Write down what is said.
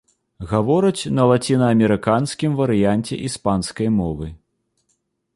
Гавораць на лацінаамерыканскім варыянце іспанскай мовы.